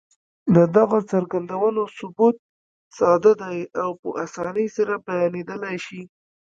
د دغو څرګندونو ثبوت ساده دی او په اسانۍ سره بيانېدلای شي.